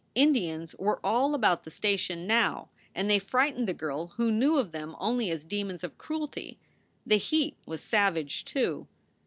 Indians were all about the station now, and they frightened the girl who knew of them only as demons of cruelty. The heat was savage, too.